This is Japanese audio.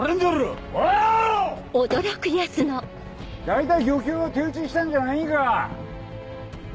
大体漁協は手打ちしたんじゃないんか！